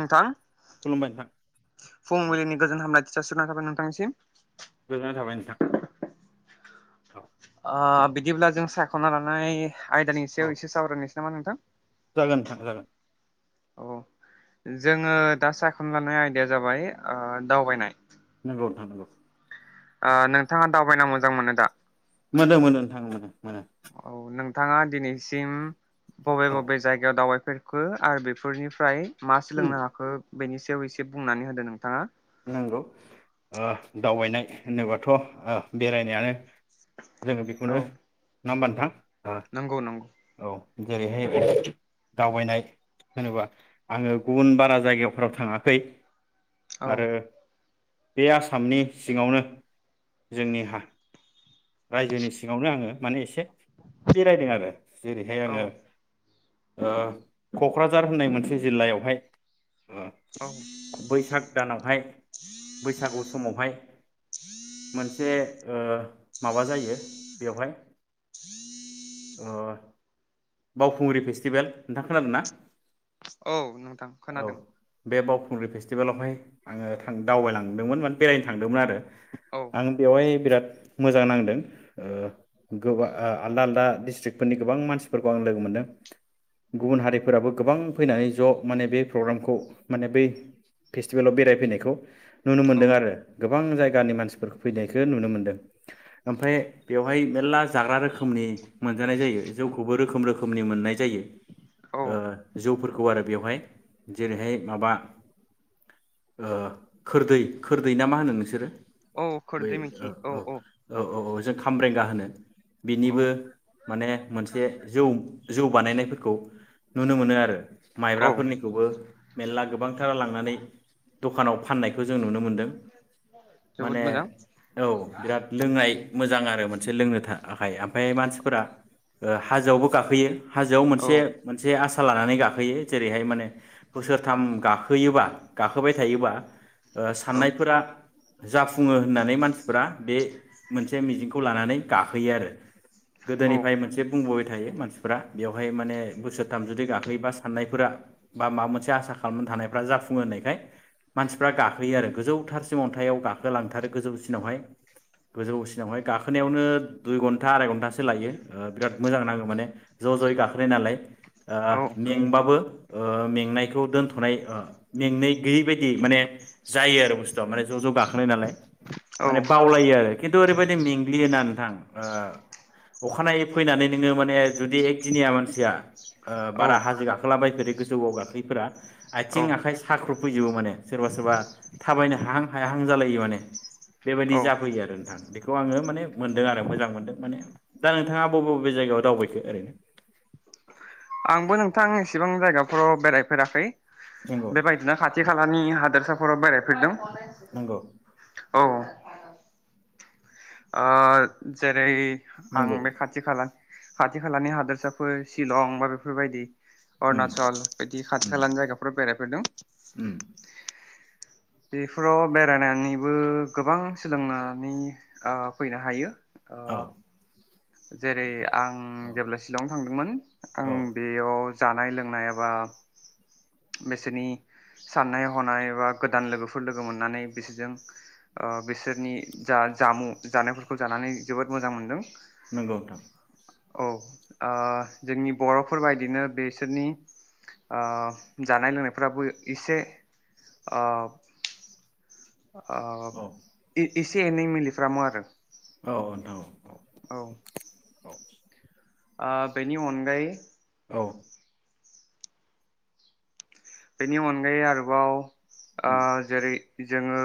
नोंथां खुलुमबाय नोंथां फुंबिलिनि गोजोन हामलायथि जासिहरनाय थाबाय नोंथांनिसिम गोजोननाय थाबाय नोंथां। औ ओ बिदिब्ला जों सायख'ना लानाय आयदानि औ सायाव एसे सावरायनोसै नामा नोंथां? जागोन नोंथां जागोन। औ जोङो दा सायख'ना लानाय आयदाया जाबाय ओ दावबायनाय नंगौ नोंथां नंगौ। नोंथाङा दावबायना मोजां मोनो दा? मोनो मोनो नोंथां मोनो मोनो। औ नोंथाङा दिनैसिम बबे औ बबे जायगायाव दावबायफेरखो? आरो बेफोरनिफ्राय मा उम सोलोंनो हाखो बेनि एव एसे बुंनानै होदो नोंथाङा। नांगौ ओ दावबायनाय होनोबाथ' बेरायनायानो। जोङो बेखौनो औ नङा होमबा नोंथां? नंगौ नंगौ। ओ औ जेरैहाय दावबायनाय होनोबा आङो गुबुन बारा जायगाफोराव थाङाखै। औ आरो बे आसामनि सिङावनो जोंनिहा रायजोनि सिङावनो आङो माने एसे बेरायदों आरो जेरैहाय औ आङो ओ क'क्राझार होननाय मोनसे जिल्लायावहाय अ औ बैसाग भुतानावहाय बैसागु समावहाय मोनसे ओ माबा जायो बेवहाय बावखुंग्रि फेस्टिभेल नोंथां खोनादों ना? औ नोंथां खोनादों। खुंग्रिं फेटिभेलावहाय आङो थां दावबायलांदोंमोन माने बेरायनो थांदोंमोन आरो। औ आं बेवहाय बिराद मोजां नांदों ओ गोबा आलदा आलदा डस्ट्रिक् फोरनि गोबां मानसिफोरखौ आं लोगो मोन्दों गुबुन हारिफोराबो गोबां फैनानै ज' माने बे प्रग्रामखौ माने बै स्टिभेलाव बेरायफैनायखौ नुनो औ मोनदों आरो गोबां गोबां जायगानि मानसिफोरफोरखौ फैनायखौ नुनो मोनदों ओमफाय बेवहाय मेर्ला जाग्रा रोखोमनि मोनजानाय जायो जौखौबो रोखोम रोखोमनि मोननाय जायो औ ओ जौफोरखौ आरो बेवहाय जेरैहाय माबा ओ खोरदै खोरदै ना मा होनो नोंसोरो औ खोरदैमोनखि औ औ औ औ जों खामब्रेंगा होनो औ बिनिबो माने मोनसे जौ जौ बानायनायफोरखौ नुनो मोनो आरो औ माइब्राफोरनिखौबो मेरला गोबांथारा लांनानै दखानाव फाननायखौ जों नुनो मोनदों जोबोद माने मोजां औ बिराद लोंनाय मोजां आरो मोनसे लोंनो थाखाय ओमफाय मानसिफोरा ओ हाजोआवबो गाखोयो हाजोआव औ मोनसे मोनसे आस आसा लानानै गाखोयो जेरैहाय माने बोसोरथाम गाखोयोबा गाखोबाय थायोबा ओ साननायफोरा जाफुङो होननानै मानसिफोरा बे मोनसे मिजिंखौ लानानै गाखोयो आरो औ गोदोनिफ्राय मोनसे बुंबावो मानसिफोरा बेयावहाय माने बोसोरथाम जुदि गाखोयोबा साननायफोरा बा माबा मोनसे आसा खालामनानै थानायफोरा जाफुङो होननाय बेहाय मानसिफ्रा गाखोयो आरो गोजौथारसिम अन्थाइयाव गाखोलांथारो गोजौसिनावहाय गोजौसिनावहाय गाखोनायावनो दुइ घन्टा आराय घन्टासो लायो बिराद मोजां नाङो माने ज' ज'यै गाखोनाय नालाय मेंबाबो मेंनायखौ दोनथ'नाय मेंनाय [inaudible] माने ज' ज' गाखोनाय नालाय औ माने बावलायो आरो खिन्थु ओरैबायदि मेंग्लियोना नोंथां अखानायै फैनानै नोङो माने जुदि एकदिनिया मानसिया औ बारा हाजो गाखोलाबायफेरै गोजौआव गाखोयैफोरा आथिं आखाइ साख्रुब फैजोबो माने सोरबा सोरबा थाबायनो हाहां हायाहां जालायो माने बेबायदि जाफैयो आरो नोंथां बेखौ आङो माने मोनदों आरो मोजां मोनदों माने दा नोंथाङा बबे बबे जायगायाव दावबायखो ओरैनो आंबो नोंथां एसेबां जायगाफोराव बेरायफेराखै नंगौ बेबायदिना खाथि खालानि हादोरसाफोराव बेरायफेरदों नंगौ औ आ जेरै आं नंगौ बे खाथि खालानि खाथि खालानि हादोरसाफोर शिलं बा बेफोर बायदि उम अरुनाचल बिदि खाथि उम खालानि जायगाफोराव बेरायफेरदों। उम बेफोराव बेरायनानैबो गोबां सोलोंनानै फैनो हायो। अ औ जेरै नोंथां आं औ जेब्ला शिलं थांदोंमोन आं औ बेयाव जानाय लोंनाय एबा बिसोरनि साननाय हनाय एबा गोदान लोगोफोर लोगो मोननानै बिसोरजों बिसोरनि जा जामुं जानायफोरखौ जानानै जोबोद मोजां मोनदों नंगौ नोंथां। औ जोंनि बर'फोर बायदिनो बेसोरनि जानाय-लोंनायफ्राबो एसे [inaudible] आ औ एसे एनै मिफ्रामो आरो औ नोंथां औ। औ। औ आ बेनि अनगायै औ। बेनि अनगायै आरोबाव ओ उम जेरै जोङो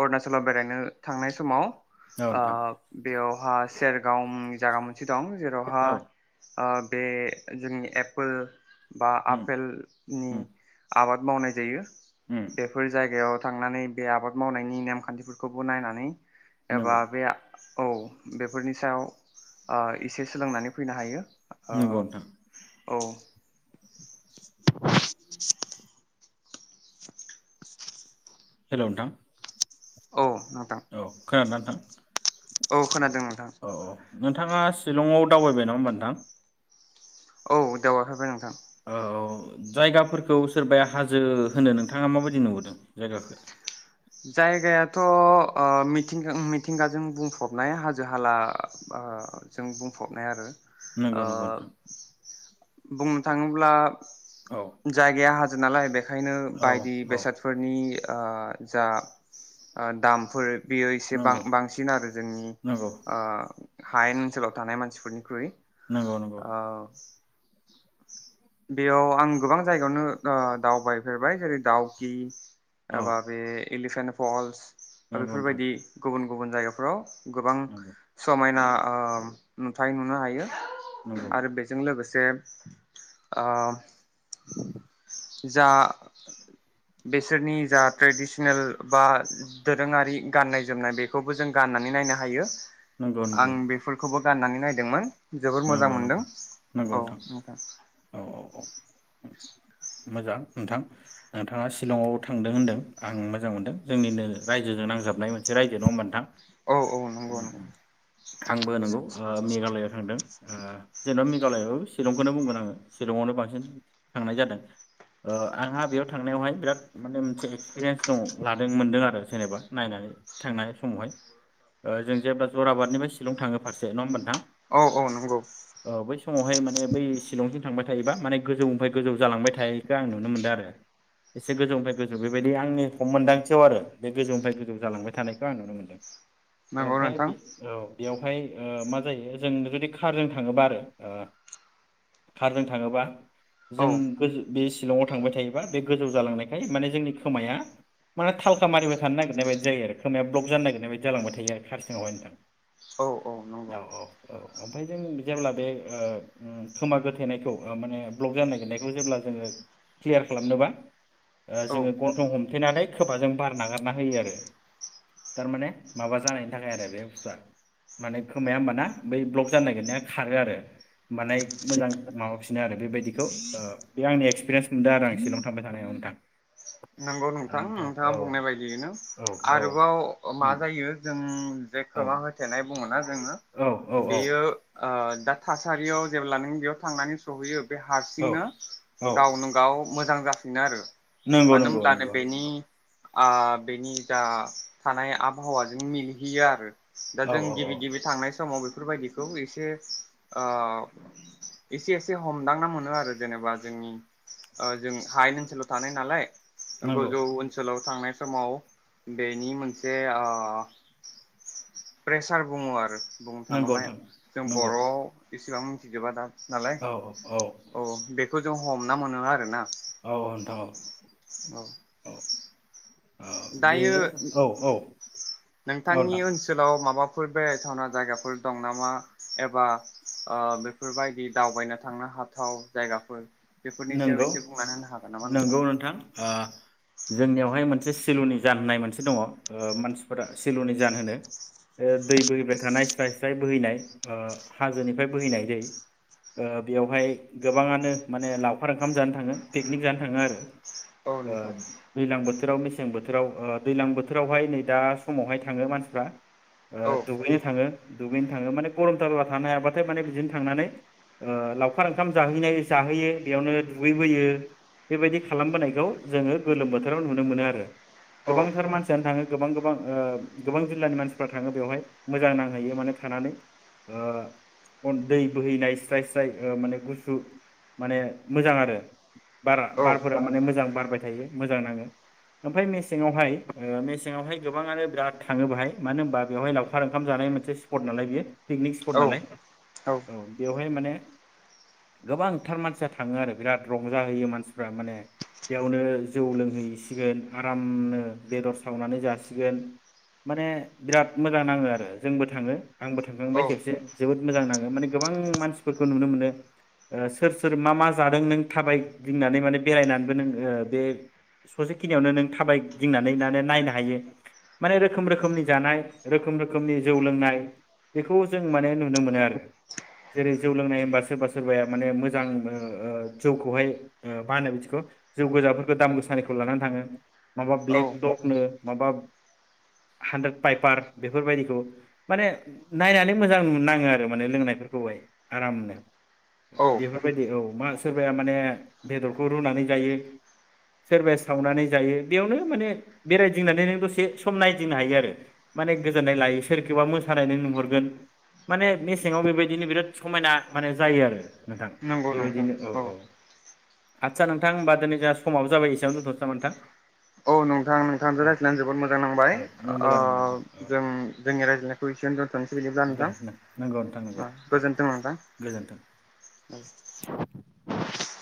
अरुनाचलाव बेरायनो थांनाय समाव औ ओ नोंथां बेयावहा सेरगाव जागौमोन। औ गोनांथि औ जेरावहाय बे जोंनि एप्पोल बा उम आपेल उम हम आबाद मावनाय जायो। उम बेफोर जायगायाव थांनानै बे आबाद मावनायनि नेम खान्थिफोरखौबो नायनानै एबा‌ नंगौ बे औ बेफोरनि सायाव एसे सोलोंनानै फैनो हायो। नगौ ओ नोंथां। औ। [inaudible] हेल'‌ नोंथां औ नोंथां औ [unintelligible] नोंथां औ खोनादों नोंथां औ औ नोंथाङा शिलंआव दावबाय नङा होमबा नोंथां औ [unintelligible] नोंथां औ औ जायगाफोरखौ सोरबाया हाजो होनो नोंथाङा माबायदि नुबोदों जायगाखौ जायगायाथ' ओ मिथिंगा मिथिंगाजों बुंफबनाय हाजो हाला जों बुंफबनाय आरो नंगौ आ नंगौ नोंथां बुंनो थाङोब्ला औ जायगाया हाजो नालाय बेखायनो बेखायनो औ बायदि औ बेसादफोरनि आ जा दामफोर बेयो एसे नंगौ बांसिन आरो जोंनि नंगौ हायेन ओनसोलाव थानाय मानसिफोरनिख्रुइ नंगौ नंगौ औ बेयाव आं गोबां जायगायावनो दावबायफेरबाय जेरै दावखि औ एबा बे एलिफेन्ट फल्स बा नंगौ नोंथां बेफोरबायदि गुबुन गुबुन जायगाफ्राव गोबां नंगौ समायना नुथाय नुनो हायो नंगौ आरो बेजों लोगोसे जे जा बेसोरनि जा ट्रेडिसनेल बा दोरोङारि गाननाय जोमनाय बेखौबो जों गाननानै नायनो हायो नंगौ आं नंगौ बेफोरखौबो राननानै नायदोंमोन जोबोर मोजां नंगौ नंगौ मोनदों औ नोंथां [inaudible] औ औ औ मोजां नोंथां नोंथाङा शिलंआव थांदों होन्दों आं मोजां मोनदों जोंनिनो रायजोजों नांजाबनाय मोनसे रायजो दङ नोंथां औ औ नंगौ नंगौ ओ मेघालआव थांदों ओ जेनेबा मेघालयाबो शिलंखौनो बुंगोन आङो शिलंआवनो बांसिन थांनाय जादों ओ आंहा बेयाव थांनायावहाय बिराद माने मोनसे एक्सपिरियेन्स दं लादों मोनदों आरो जेनेबा नायनानै थांनाय समावहाय ओ जों जेब्ला जराबादनिफ्राय शिलं थाङो फारसे नङा होमबा नोंथां औ औ नंगौ औ बै समावहाय माने बै शिलंथिं थांबाय थायोबा माने गोजौनिफ्राय गोजौ जालांबाय थायोखौ आं नुनो मोन्दों आरो एसे गोजौनिफ्राय गोजौ बेबायदि आंनि हम मोन्दांथियाव आरो बे गोजौनिफ्राय गोजौ जालांबाय थानायखौ आं नुनो मोनदों नंगौ ओमफ्राय बे नोंथां औ बेयावहाय ओ मा जायो जों जुदि कारजों थाङोबा आरो कारजों थाङोबा औ जों बे सिलंआव थांबाय थायोबा बे गोजौ जालांनायखाय माने जोंनि खोमाया माने थालखा मारिबाय थानो नागिरनाय बायदि जायो आरो खोमाया ब्लक जानो नागिरनाय बायदि जालांबाय थायो आरो खार सिङावहाय नोंथां औ नंगौ औ औ औ ओमफाय जों जेब्ला बे खोमा गोथेनायखौ ओ माने ब्लक जानाय नागिरनायखौ जेब्ला जोङो क्लियार खालामनोबा औ जोङो गन्थं हमथेनानै खोमाजों बार नागारना होयो आरो थारमाने माबा जानायनि थाखाय आरो बे बुस्थुआ माने खोमाया होमबाना बै ब्लक जानो नागिरनाया खारो आरो माने मोजां माबाफिनो आरो बेबायदिखौ ओ बे आंनि एक्सपिरियेन्स मोनदों आरो आं शिलं थांबाय थानायाव नोंथां नंगौ ओमफ्राय नोंथाङा औ बुंनाय बायदियैनो औ औ आरोबाव मा उम जायो जों जे औ खोमा होथेनाय बुङो ना जोङो औ औ औ बेयो दा थासारियाव जेब्ला नों बेयाव थांनानै सहैयो बे औ हारसिंनो औ गावनो गाव मोजां जाफिनो आरो नंगौ नंगौ नंगौ ओ बेनि जा थानाय आबहावाजों मिलिहैयो आरो दा औ जों औ औ गिबि गिबि थांनाय समाव बे बेफोरबायदिखौ एसे ओ एसे एसे हमदांना मोनो आरो जेनेबा जोंनि ओ जों हायेन ओनसोलाव थानाय नालाय नंगौ गोजौ ओन ओनसोलाव थांनाय समाव बेनि मोनसे ओ प्रेसार बुङो आरो बुंनो नंगौ थाङोब्ला नोंथां जों नंगौ बर'आव इसेबां मिथिजोबा दा नालाय औ बे खौ जों हमना मोनो आरोना औ औ नोंथां औ औ औ औ दायो बेनो औ औ नोंथांनि नोंथां ओनसोलाव माबा फोर बेरायथावना जायगाफोर दं नामा एबा ओ बेफोरबायदि दावबायनो थांनो हाथाव जायगाफोर बेफोरनि सायाव नंगौ एसे बुंनानै होनो हागोन नामा नोंथां? नंगौ ओ जोंनियावहाय मोनसे सिलुनि जान होननाय मोनसे दङ ओ मानसिफोरा सिलुनि जान होनो बे दै बोहैबाय थानाय स्राय स्राय बोहैनाय ओ हाजोनिफ्राय बोहैनाय दै ओ बेयावहाय गोबाङानो माने लाव खार ओंखाम जानो थाङो पिकनिक जानो थाङो आरो औ ओ नोंथां दैलां बोथो थोराव मेसें बोथोराव ओ दैलां बोथोरावहाय नै दा समावहाय थाङो मानसिफ्रा ओ औ दुगैनो थाङो दुगैनो थाङो माने गरमथारबा थानो हायाबाथाय माने बिदिनो थांनानै ओ लावखार ओंखाम जाहैनाय जाहैयो बेयावनो दुगैबोयो बेबायदि खालामबोनायखौ जोङो गोलोम बोथोराव नुनो मोनो आरो औ गोबांथार मानसियानो थाङो गोबां गोबां ओ गोबां जिललानि मानसिफ्रा थाङो बेवहाय मोजां नांहैयो माने थानानै ओ दै बोहैनाय स्राय स्राय ओ माने गुसु माने मोजां आरो बारा बारफोरा माने मोजां बारबाय थायो मोजां नाङो ओमफ्राय मेसेंवहाय ओ मेसेंवहाय गोबाङानो बिराद थाङो बाहाय मानो होनबा बेवहाय लावखार ओंखाम जानाय मोनसे स्पट नालाय बेयो पिकनिक स्पट औ नालाय औ बेवहाय माने गोबांथार मानसिया थाङो आरो बिराद रंजाहैयो मानसिफ्रा माने बेयावनो जौ लोंहैसिगोन आरामनो बेदर सावनानै जासिगोन माने बिराद मोजां नाङो आरो जोंबो थाङो। आंबो थांखांबाय औ खेबसे जोबोद मोजां नाङो माने गोबां मानसिफोरखौ नुनो मोनो ओ सोर सोर मा मा? जादों नों थाबाय गिदिंनानै माने बेरायनानैबो नों ओ बे ससेखिनियावनो नों थाबाय गिदिंनानै माने नायनो हायो माने रोखोम रोखोमनि जानाय रोखोम रोखोमनि जौ लोंनाय बेखौ जों माने नुनो मोनो आरो जेरै जौ लोंनाय होनबा सोरबा सोरबाया माने मोजां। ओ जौखौहाय ओ मा होनो बिदिखौ जौ गोजाफोरखौ दाम गोसानिखौ लानानै थाङो। माबा ब्लेक औ दकनो माबा हानद्रेड पाइपार बेफोरबायदिखौ माने नायनानै मोजां नाङो आरो माने लोंनायफोरखौहाय आरामनो औ बेफोरबायदि औ। मा सोरबाया माने बेदरखौ रुनानै जायो सोरबाया सावनानै जायो बेयावनो माने बेरायदिंनानै नों दसे सम नायदिंनो हायो आरो माने गोजोननाय लायो सोरखौबा मोसानाय नों नुहरगोन माने मेसेङाव बेबायदिनो बिराद समायना माने जायो आरो नोंथां नंगौ नोंथां बेबायदिनो औ औ। आदसा नोंथां होमबा दिनै जोंहा समाबो जाबाय एसेयावनो दोनथ'सै नामा नोंथां? औ नोंथां नोंथांजों औ रायज्लायनानै जोबोद मोजां नांबाय औ ओ मोजां नांबाय नोंथां औ जों जोंनि रायज्लायनायखौ एसेयावनो दोनथ'नोसै बिदिब्ला दे नोंथां नंगौ नोंथां नंगौ ओ दे गोजोनथों नोंथां गोजोन्थों औ। [inaudible]